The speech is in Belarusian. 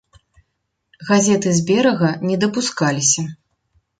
Газеты з берага не дапускаліся.